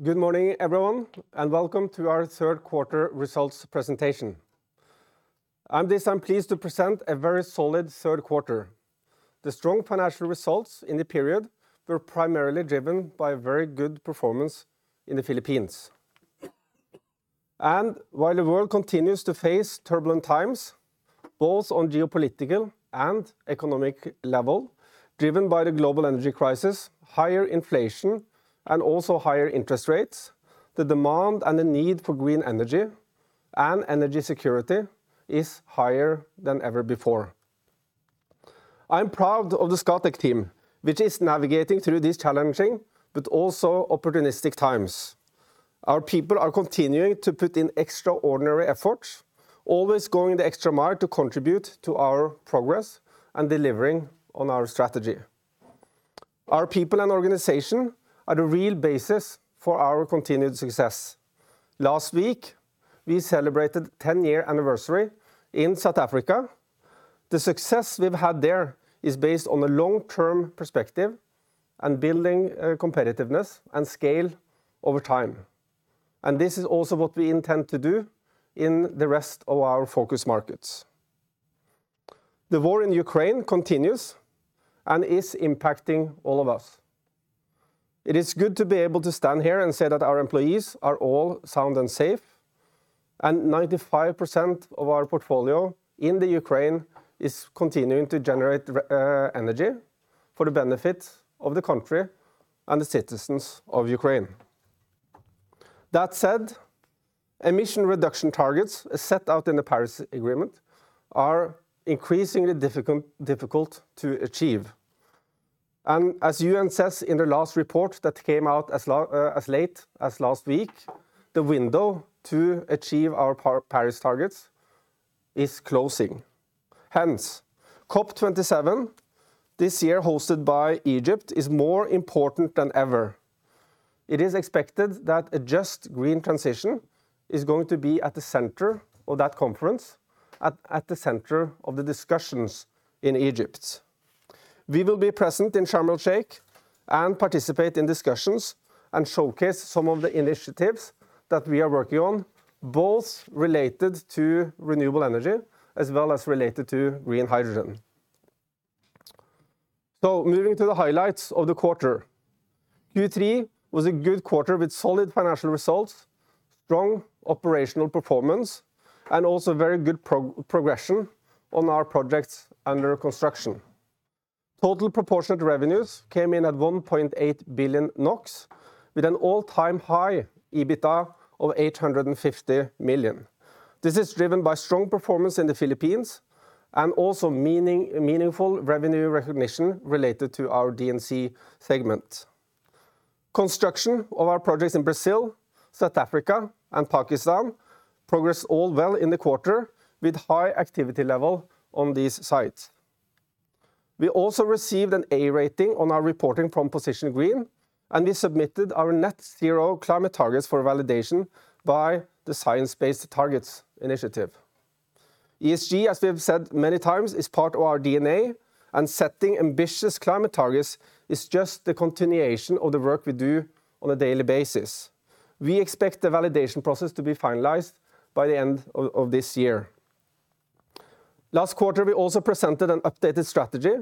Good morning, everyone, and welcome to our 3rd quarter results presentation. On this, I'm pleased to present a very solid 3rd quarter. The strong financial results in the period were primarily driven by very good performance in the Philippines. While the world continues to face turbulent times, both on geopolitical and economic level, driven by the global energy crisis, higher inflation, and also higher interest rates, the demand and the need for green energy and energy security is higher than ever before. I am proud of the Scatec team, which is navigating through these challenging but also opportunistic times. Our people are continuing to put in extraordinary efforts, always going the extra mile to contribute to our progress and delivering on our strategy. Our people and organization are the real basis for our continued success. Last week, we celebrated 10-year anniversary in South Africa. The success we've had there is based on a long-term perspective and building, competitiveness and scale over time. This is also what we intend to do in the rest of our focus markets. The war in Ukraine continues and is impacting all of us. It is good to be able to stand here and say that our employees are all sound and safe, and 95% of our portfolio in Ukraine is continuing to generate energy for the benefit of the country and the citizens of Ukraine. That said, emission reduction targets set out in the Paris Agreement are increasingly difficult to achieve. As UN says in the last report that came out as late as last week, the window to achieve our Paris targets is closing. Hence, COP27, this year hosted by Egypt, is more important than ever. It is expected that a just green transition is going to be at the center of that conference, at the center of the discussions in Egypt. We will be present in Sharm El-Sheikh and participate in discussions and showcase some of the initiatives that we are working on, both related to renewable energy as well as related to green hydrogen. Moving to the highlights of the quarter. Q3 was a good quarter with solid financial results, strong operational performance, and also very good progression on our projects under construction. Total proportionate revenues came in at 1.8 billion NOK with an all-time high EBITDA of 850 million. This is driven by strong performance in the Philippines and also meaningful revenue recognition related to our D&C segment. Construction of our projects in Brazil, South Africa, and Pakistan progressed all well in the quarter with high activity level on these sites. We also received an A rating on our reporting from Position Green, and we submitted our net zero climate targets for validation by the Science Based Targets initiative. ESG, as we have said many times, is part of our DNA, and setting ambitious climate targets is just the continuation of the work we do on a daily basis. We expect the validation process to be finalized by the end of this year. Last quarter, we also presented an updated strategy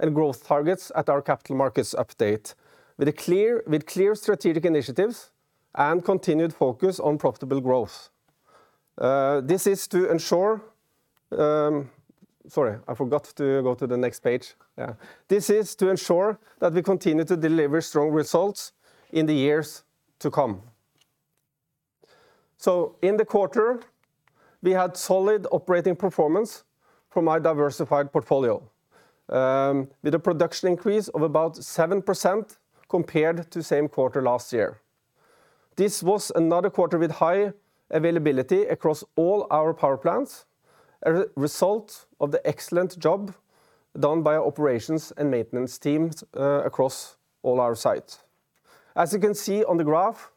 and growth targets at our capital markets update with clear strategic initiatives and continued focus on profitable growth. This is to ensure. Sorry, I forgot to go to the next page. Yeah. This is to ensure that we continue to deliver strong results in the years to come. In the quarter, we had solid operating performance from our diversified portfolio, with a production increase of about 7% compared to same quarter last year. This was another quarter with high availability across all our power plants, a result of the excellent job done by our operations and maintenance teams, across all our sites. As you can see on the graph,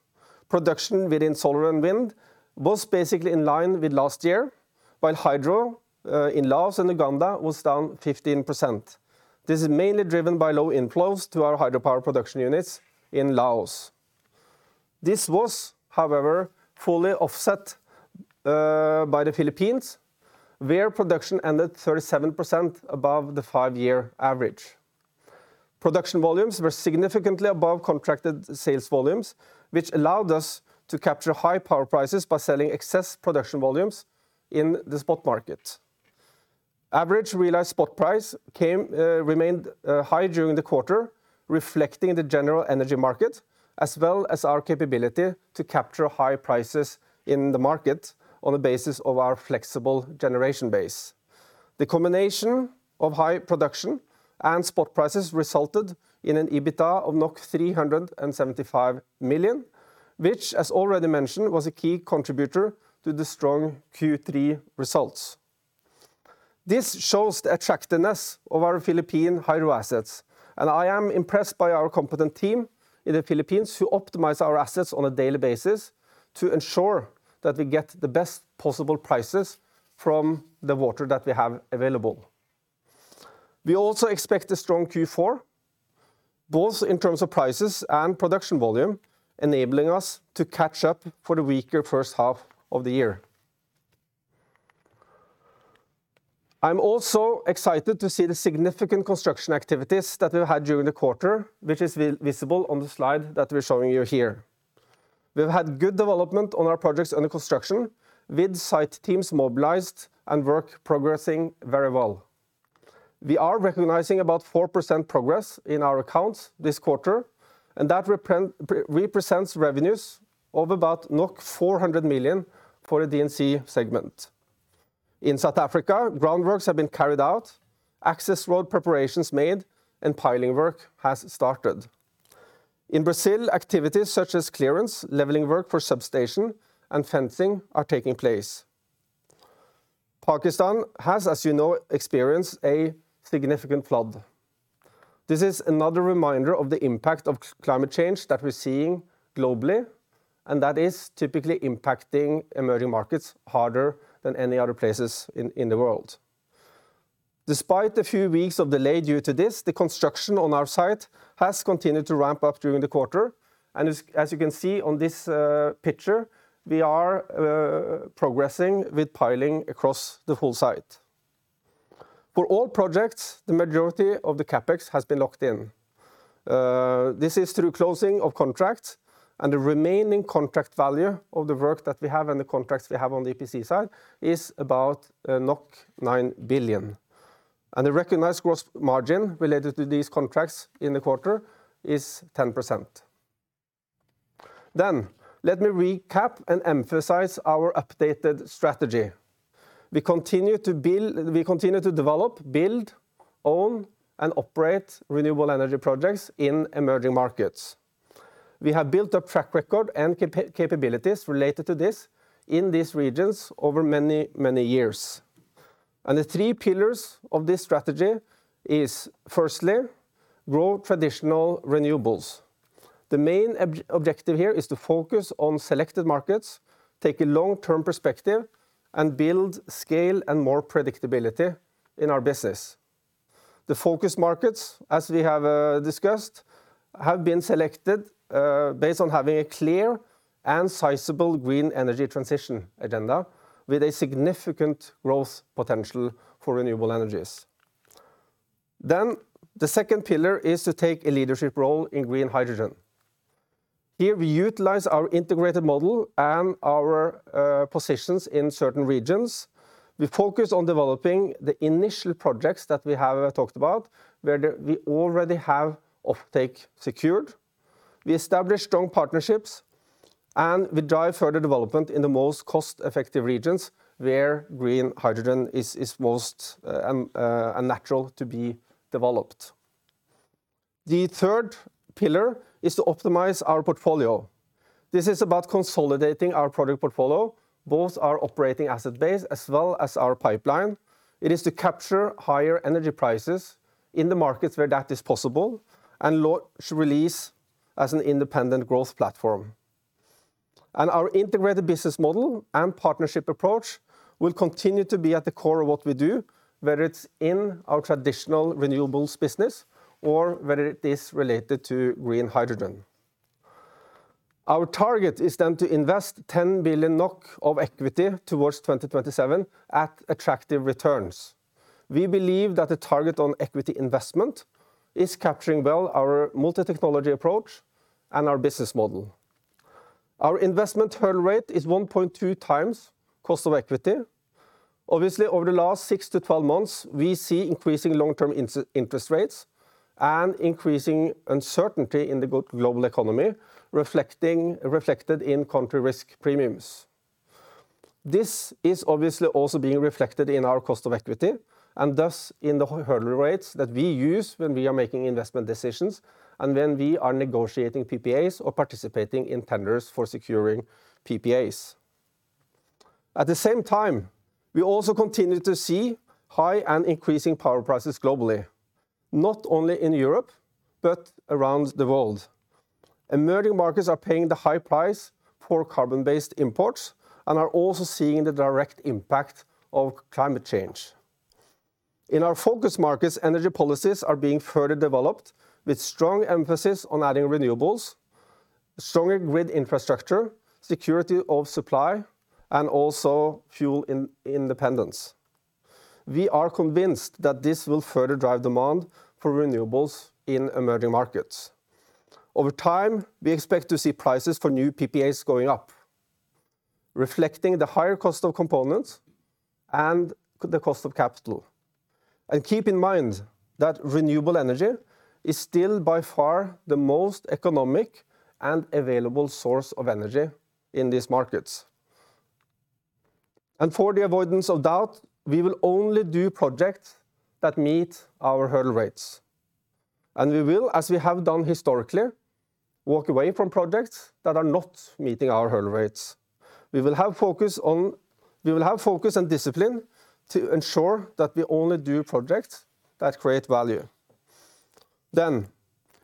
production within solar and wind was basically in line with last year, while hydro in Laos and Uganda was down 15%. This is mainly driven by low inflows to our hydropower production units in Laos. This was, however, fully offset by the Philippines, where production ended 37% above the five-year average. Production volumes were significantly above contracted sales volumes, which allowed us to capture high power prices by selling excess production volumes in the spot market. Average realized spot price remained high during the quarter, reflecting the general energy market as well as our capability to capture high prices in the market on the basis of our flexible generation base. The combination of high production and spot prices resulted in an EBITDA of 375 million, which, as already mentioned, was a key contributor to the strong Q3 results. This shows the attractiveness of our Philippine hydro assets, and I am impressed by our competent team in the Philippines who optimize our assets on a daily basis to ensure that we get the best possible prices from the water that we have available. We also expect a strong Q4, both in terms of prices and production volume, enabling us to catch up for the weaker first half of the year. I'm also excited to see the significant construction activities that we had during the quarter, which is visible on the slide that we're showing you here. We've had good development on our projects under construction, with site teams mobilized and work progressing very well. We are recognizing about 4% progress in our accounts this quarter, and that represents revenues of about NOK 400 million for the D&C segment. In South Africa, groundworks have been carried out, access road preparations made, and piling work has started. In Brazil, activities such as clearance, leveling work for substation, and fencing are taking place. Pakistan has, as you know, experienced a significant flood. This is another reminder of the impact of climate change that we're seeing globally, and that is typically impacting emerging markets harder than any other places in the world. Despite the few weeks of delay due to this, the construction on our site has continued to ramp up during the quarter, and as you can see on this picture, we are progressing with piling across the whole site. For all projects, the majority of the CapEx has been locked in. This is through closing of contracts, and the remaining contract value of the work that we have and the contracts we have on the EPC side is about 9 billion. The recognized gross margin related to these contracts in the quarter is 10%. Let me recap and emphasize our updated strategy. We continue to develop, build, own, and operate renewable energy projects in emerging markets. We have built a track record and capabilities related to this in these regions over many, many years. The three pillars of this strategy is, firstly, grow traditional renewables. The main objective here is to focus on selected markets, take a long-term perspective, and build scale and more predictability in our business. The focus markets, as we have discussed, have been selected based on having a clear and sizable green energy transition agenda with a significant growth potential for renewable energies. The second pillar is to take a leadership role in green hydrogen. Here, we utilize our integrated model and our positions in certain regions. We focus on developing the initial projects that we have talked about, where we already have offtake secured. We establish strong partnerships, and we drive further development in the most cost-effective regions, where green hydrogen is most natural to be developed. The third pillar is to optimize our portfolio. This is about consolidating our product portfolio, both our operating asset base as well as our pipeline. It is to capture higher energy prices in the markets where that is possible and launch Release as an independent growth platform. Our integrated business model and partnership approach will continue to be at the core of what we do, whether it's in our traditional renewables business or whether it is related to green hydrogen. Our target is then to invest 10 billion NOK of equity towards 2027 at attractive returns. We believe that the target on equity investment is capturing well our multi-technology approach and our business model. Our investment hurdle rate is 1.2 times cost of equity. Obviously, over the last 6-12 months, we see increasing long-term interest rates and increasing uncertainty in the global economy, reflected in country risk premiums. This is obviously also being reflected in our cost of equity and thus in the hurdle rates that we use when we are making investment decisions and when we are negotiating PPAs or participating in tenders for securing PPAs. At the same time, we also continue to see high and increasing power prices globally, not only in Europe, but around the world. Emerging markets are paying the high price for carbon-based imports and are also seeing the direct impact of climate change. In our focus markets, energy policies are being further developed with strong emphasis on adding renewables, stronger grid infrastructure, security of supply, and also fuel in-independence. We are convinced that this will further drive demand for renewables in emerging markets. Over time, we expect to see prices for new PPAs going up, reflecting the higher cost of components and the cost of capital. Keep in mind that renewable energy is still by far the most economic and available source of energy in these markets. For the avoidance of doubt, we will only do projects that meet our hurdle rates. We will, as we have done historically, walk away from projects that are not meeting our hurdle rates. We will have focus and discipline to ensure that we only do projects that create value.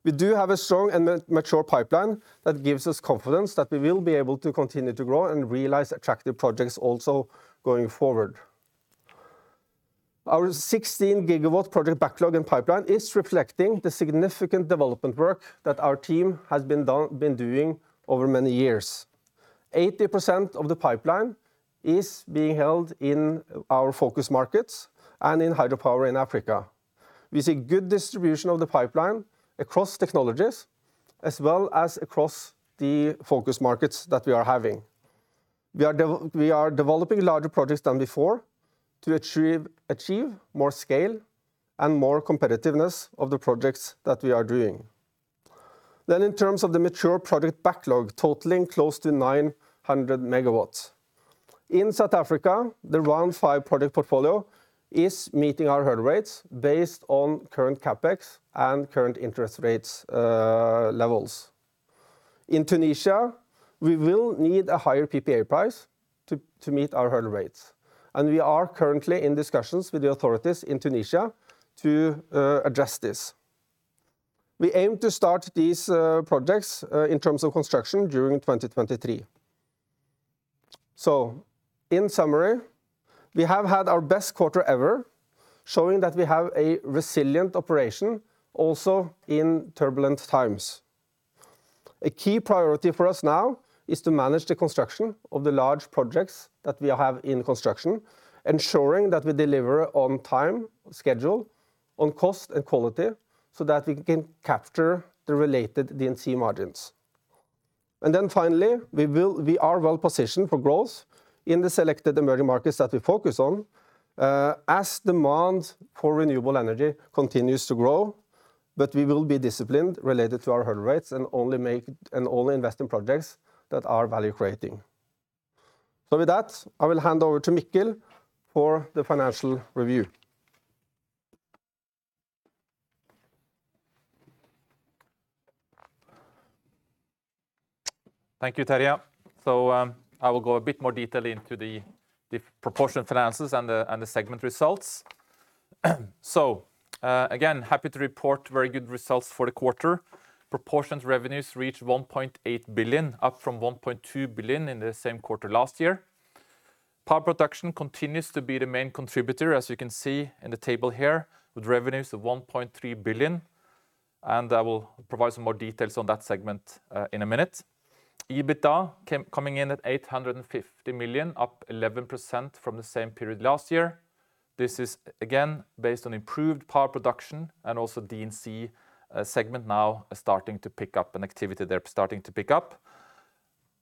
We do have a strong and mature pipeline that gives us confidence that we will be able to continue to grow and realize attractive projects also going forward. Our 16 GW project backlog and pipeline is reflecting the significant development work that our team has been doing over many years. 80% of the pipeline is being held in our focus markets and in hydropower in Africa. We see good distribution of the pipeline across technologies, as well as across the focus markets that we are having. We are developing larger projects than before to achieve more scale and more competitiveness of the projects that we are doing. In terms of the mature project backlog, totaling close to 900 MW. In South Africa, the Round 5 project portfolio is meeting our hurdle rates based on current CapEx and current interest rates levels. In Tunisia, we will need a higher PPA price to meet our hurdle rates, and we are currently in discussions with the authorities in Tunisia to address this. We aim to start these projects in terms of construction during 2023. In summary, we have had our best quarter ever, showing that we have a resilient operation, also in turbulent times. A key priority for us now is to manage the construction of the large projects that we have in construction, ensuring that we deliver on time, schedule, on cost and quality, so that we can capture the related D&C margins. Finally, we are well positioned for growth in the selected emerging markets that we focus on, as demand for renewable energy continues to grow, but we will be disciplined related to our hurdle rates and only invest in projects that are value creating. With that, I will hand over to Mikkel for the financial review. Thank you, Terje. I will go a bit more detail into the proportion finances and the segment results. Again, happy to report very good results for the quarter. Proportion revenues reached 1.8 billion, up from 1.2 billion in the same quarter last year. Power production continues to be the main contributor, as you can see in the table here, with revenues of 1.3 billion, and I will provide some more details on that segment in a minute. EBITDA coming in at 850 million, up 11% from the same period last year. This is again based on improved power production and also D&C segment now starting to pick up in activity.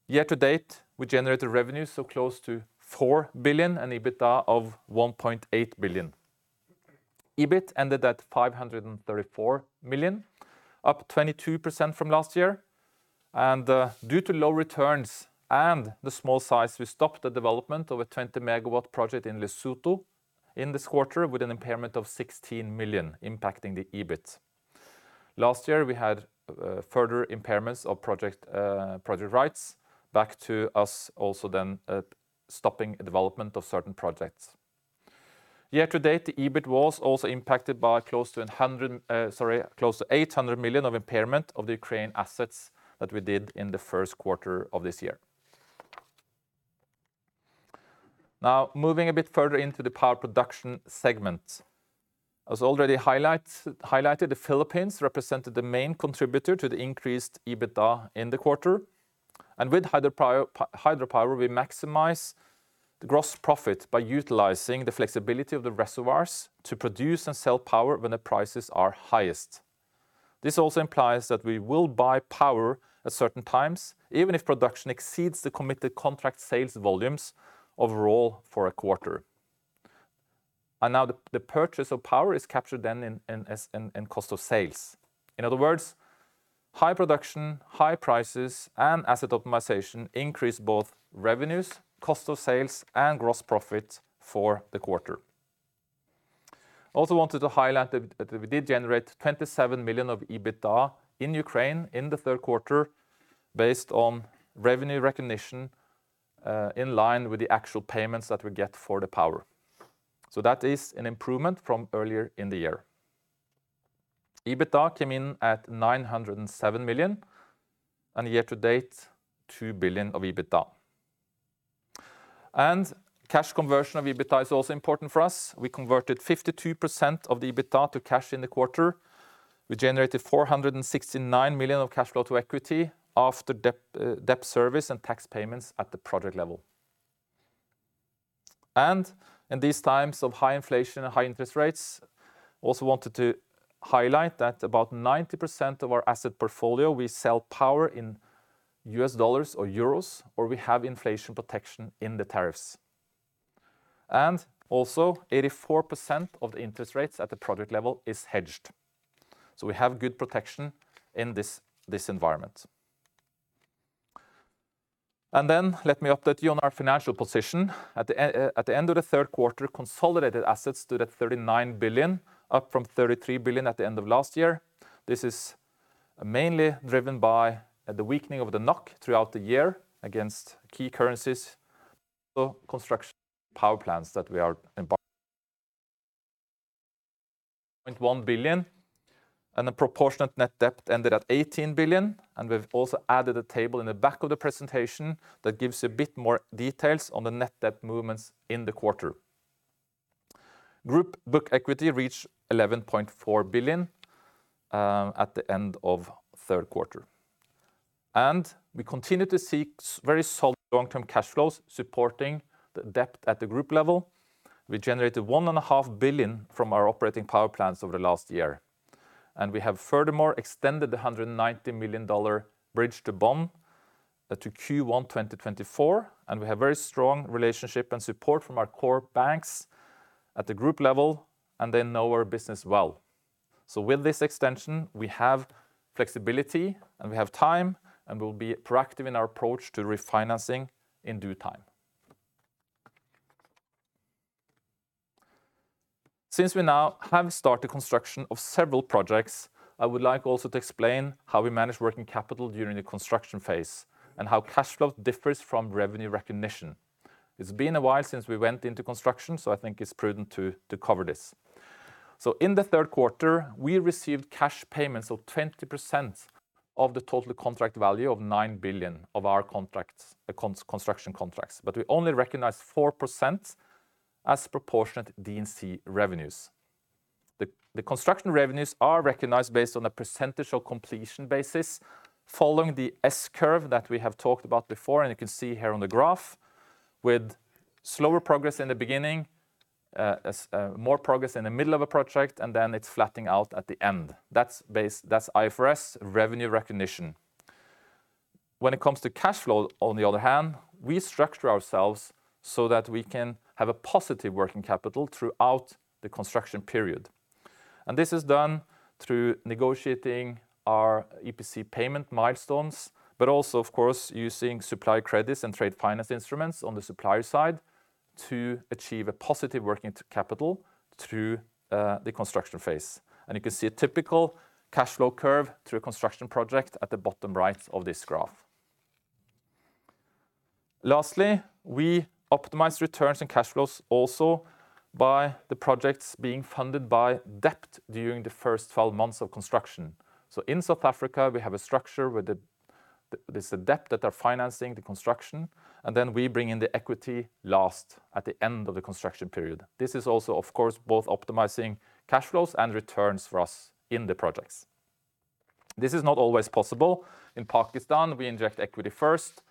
Year to date, we generated revenues so close to 4 billion and EBITDA of 1.8 billion. EBIT ended at 534 million, up 22% from last year. Due to low returns and the small size, we stopped the development of a 20-megawatt project in Lesotho in this quarter with an impairment of 16 million impacting the EBIT. Last year we had further impairments of project rights back to us also then, stopping development of certain projects. Year to date, the EBIT was also impacted by close to 800 million of impairment of the Ukraine assets that we did in the first quarter of this year. Now, moving a bit further into the power production segment. As already highlighted, the Philippines represented the main contributor to the increased EBITDA in the quarter. With hydropower, we maximize the gross profit by utilizing the flexibility of the reservoirs to produce and sell power when the prices are highest. This also implies that we will buy power at certain times, even if production exceeds the committed contract sales volumes overall for a quarter. Now the purchase of power is captured then in cost of sales. In other words, high production, high prices, and asset optimization increase both revenues, cost of sales, and gross profit for the quarter. Also wanted to highlight that we did generate 27 million of EBITDA in Ukraine in the 3rd quarter based on revenue recognition in line with the actual payments that we get for the power. That is an improvement from earlier in the year. EBITDA came in at 907 million, and year to date, 2 billion of EBITDA. Cash conversion of EBITDA is also important for us. We converted 52% of the EBITDA to cash in the quarter. We generated 469 million of cash flow to equity after debt service and tax payments at the project level. In these times of high inflation and high interest rates, also wanted to highlight that about 90% of our asset portfolio, we sell power in U.S. dollars or euros, or we have inflation protection in the tariffs. Also 84% of the interest rates at the project level is hedged. We have good protection in this environment. Then let me update you on our financial position. At the end of the 3rd quarter, consolidated assets stood at 39 billion, up from 33 billion at the end of last year. This is mainly driven by the weakening of the NOK throughout the year against key currencies. 1 billion and the proportionate net debt ended at 18 billion. We've also added a table in the back of the presentation that gives a bit more details on the net debt movements in the quarter. Group book equity reached 11.4 billion at the end of third quarter. We continue to seek very solid long-term cash flows supporting the debt at the group level. We generated one and a half billion from our operating power plants over the last year. We have furthermore extended the $190 million bridge-to-bond to Q1 2024, and we have very strong relationship and support from our core banks at the group level, and they know our business well. With this extension, we have flexibility, and we have time, and we'll be proactive in our approach to refinancing in due time. Since we now have started construction of several projects, I would like also to explain how we manage working capital during the construction phase and how cash flow differs from revenue recognition. It's been a while since we went into construction, so I think it's prudent to cover this. In the third quarter, we received cash payments of 20% of the total contract value of 9 billion of our contracts, construction contracts. We only recognized 4% as proportionate D&C revenues. The construction revenues are recognized based on a percentage of completion basis following the S-curve that we have talked about before and you can see here on the graph, with slower progress in the beginning, and more progress in the middle of a project, and then it's flattening out at the end. That's IFRS revenue recognition. When it comes to cash flow, on the other hand, we structure ourselves so that we can have a positive working capital throughout the construction period. This is done through negotiating our EPC payment milestones, but also of course using supply credits and trade finance instruments on the supplier side to achieve a positive working capital through the construction phase. You can see a typical cash flow curve through a construction project at the bottom right of this graph. Lastly, we optimize returns and cash flows also by the projects being funded by debt during the first 12 months of construction. In South Africa, we have a structure where this debt that are financing the construction, and then we bring in the equity last, at the end of the construction period. This is also of course both optimizing cash flows and returns for us in the projects. This is not always possible. In Pakistan, we inject equity first,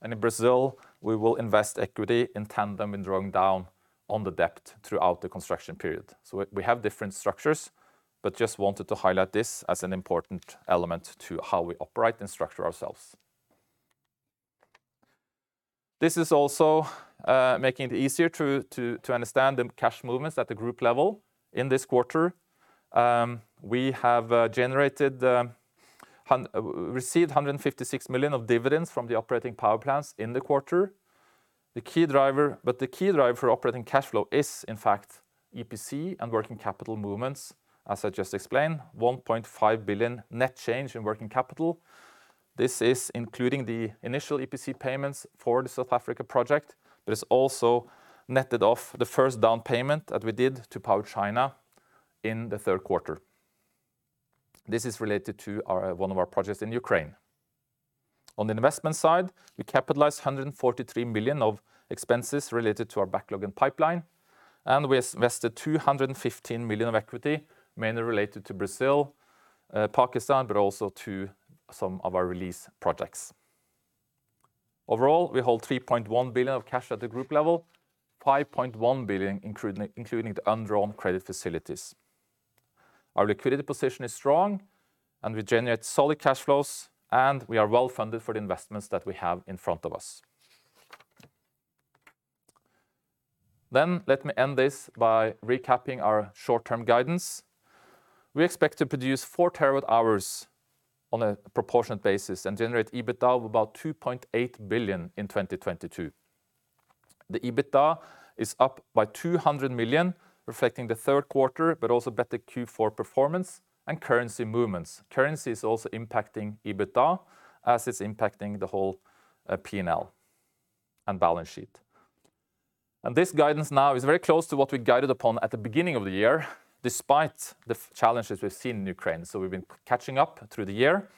and in Brazil, we will invest equity in tandem in drawing down on the debt throughout the construction period. We have different structures, but just wanted to highlight this as an important element to how we operate and structure ourselves. This is also making it easier to understand the cash movements at the group level in this quarter. Received 156 million of dividends from the operating power plants in the quarter. The key driver for operating cash flow is in fact EPC and working capital movements, as I just explained, 1.5 billion net change in working capital. This is including the initial EPC payments for the South Africa project, but it's also netted off the first down payment that we did to PowerChina in the 3rd quarter. This is related to one of our projects in Ukraine. On the investment side, we capitalized 143 million of expenses related to our backlog and pipeline, and we invested 215 million of equity, mainly related to Brazil, Pakistan, but also to some of our Release projects. Overall, we hold 3.1 billion of cash at the group level, 5.1 billion including the undrawn credit facilities. Our liquidity position is strong, and we generate solid cash flows, and we are well-funded for the investments that we have in front of us. Let me end this by recapping our short-term guidance. We expect to produce 4 terawatt hours on a proportionate basis and generate EBITDA of about 2.8 billion in 2022. The EBITDA is up by 200 million, reflecting the third quarter, but also better Q4 performance and currency movements. Currency is also impacting EBITDA as it's impacting the whole, P&L and balance sheet. This guidance now is very close to what we guided upon at the beginning of the year, despite the challenges we've seen in Ukraine. We've been catching up through the year.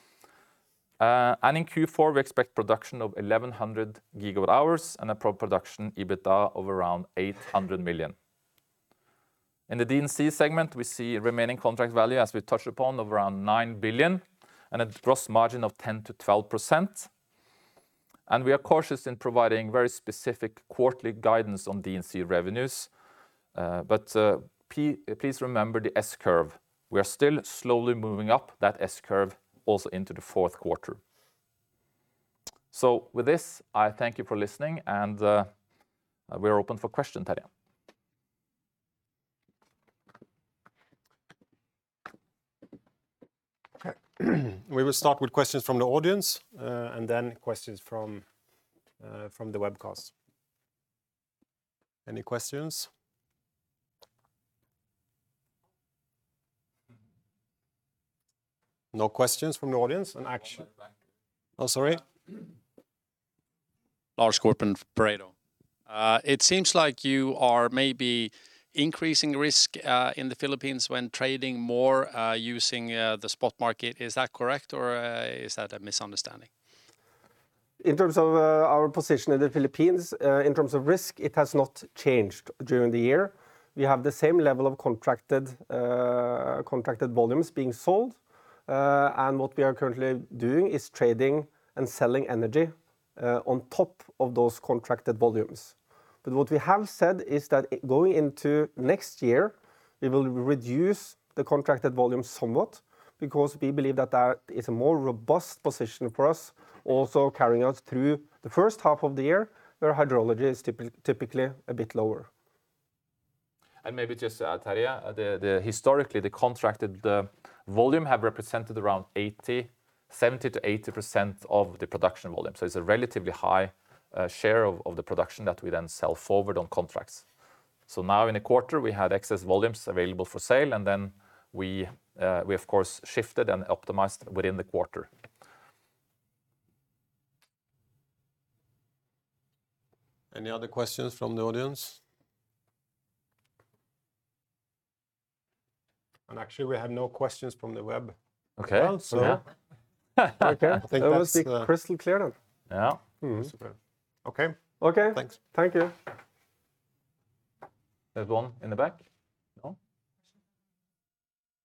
In Q4, we expect production of 1,100 GWh and a proportionate EBITDA of around 800 million. In the D&C segment, we see remaining contract value, as we touched upon, of around 9 billion and a gross margin of 10%-12%. We are cautious in providing very specific quarterly guidance on D&C revenues, but please remember the S-curve. We are still slowly moving up that S-curve also into the fourth quarter. With this, I thank you for listening and we're open for questions, Terje. Okay. We will start with questions from the audience, and then questions from the webcast. Any questions? No questions from the audience. One at the back. Oh, sorry. Lars Ove Skorpen, Pareto. It seems like you are maybe increasing risk in the Philippines when trading more using the spot market. Is that correct, or is that a misunderstanding? In terms of our position in the Philippines, in terms of risk, it has not changed during the year. We have the same level of contracted volumes being sold, and what we are currently doing is trading and selling energy on top of those contracted volumes. What we have said is that going into next year, we will reduce the contracted volume somewhat because we believe that that is a more robust position for us also carrying us through the first half of the year, where hydrology is typically a bit lower. Maybe just, Terje, the historically, the contracted volume have represented around 80, 70%-80% of the production volume. It's a relatively high share of the production that we then sell forward on contracts. Now in the quarter, we had excess volumes available for sale, and then we of course shifted and optimized within the quarter. Any other questions from the audience? Actually we have no questions from the web. Okay. Well. Yeah. Okay. I think that's. That was crystal clear, then. Yeah. Superb. Okay. Okay. Thanks. Thank you. There's one in the back. No?